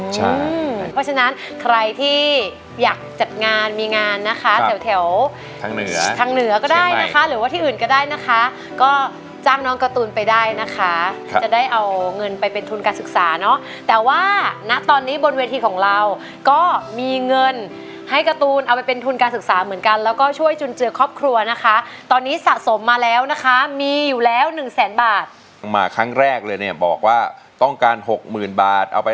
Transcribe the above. เพราะฉะนั้นใครที่อยากจัดงานมีงานนะคะแถวแถวทางเหนือทางเหนือก็ได้นะคะหรือว่าที่อื่นก็ได้นะคะก็จ้างน้องการ์ตูนไปได้นะคะจะได้เอาเงินไปเป็นทุนการศึกษาเนาะแต่ว่าณตอนนี้บนเวทีของเราก็มีเงินให้การ์ตูนเอาไปเป็นทุนการศึกษาเหมือนกันแล้วก็ช่วยจุนเจือครอบครัวนะคะตอนนี้สะสมมาแล้วนะคะมีอยู่แล้วหนึ่งแสนบาทมาครั้งแรกเลยเนี่ยบอกว่าต้องการหกหมื่นบาทเอาไป